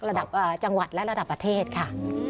ระดับจังหวัดและระดับประเทศค่ะ